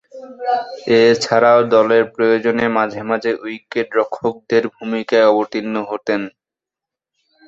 এছাড়াও, দলের প্রয়োজনে মাঝে-মধ্যে উইকেট-রক্ষকের ভূমিকায় অবতীর্ণ হতেন।